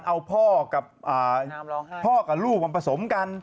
เอาพ่อกับลูกมาผสมกัน